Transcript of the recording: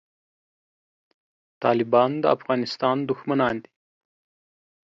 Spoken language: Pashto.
طالبان د افغانستان دښمنان دي